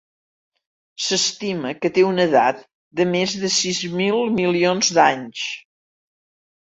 S'estima que té una edat de més de sis mil milions d'anys.